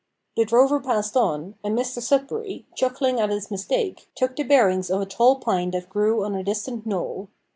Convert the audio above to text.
The drover passed on, and Mr Sudberry, chuckling at his mistake, took the bearings of a tall pine that grew on a distant knoll.